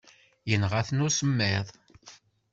Yenɣa-ten usemmiḍ.